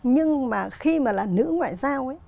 nhưng mà khi mà là nữ ngoại giao